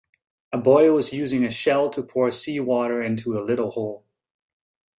A boy was using a shell to pour sea water into a little hole.